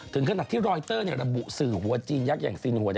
ถึงขนาดที่รอยเตอร์ระบุสื่อหัวจีนยักษ์อย่างซีนหัว